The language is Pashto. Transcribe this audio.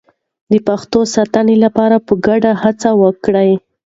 د پښتو د ساتنې لپاره په ګډه هڅه وکړئ.